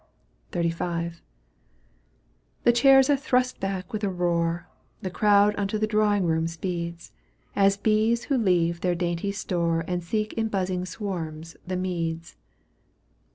XXXV. The chairs are thrust back with a roar. The crowd unto the drawing room speeds. As bees who leave their dainty store And seek in buzzing swarms the meads.